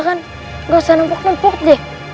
gak usah nopok nopok deh